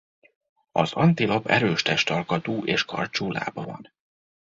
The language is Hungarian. Az antilop erős testalkatú és karcsú lába van.